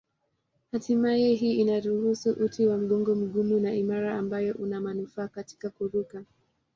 Hatimaye hii inaruhusu uti wa mgongo mgumu na imara ambayo una manufaa katika kuruka.